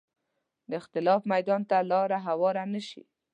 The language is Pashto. د اختلاف میدان ته لاره هواره نه شي